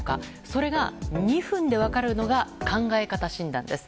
それが２分で分かるのが考え方診断です。